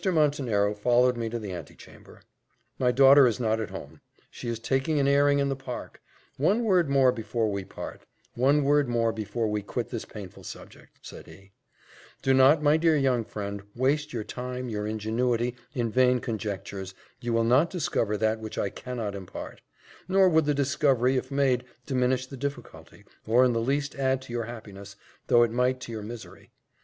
Montenero followed me to the antechamber. "My daughter is not at home she is taking an airing in the park. One word more before we part one word more before we quit this painful subject," said he: "do not, my dear young friend, waste your time, your ingenuity, in vain conjectures you will not discover that which I cannot impart; nor would the discovery, if made, diminish the difficulty, or in the least add to your happiness, though it might to your misery.